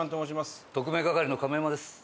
特命係の亀山です。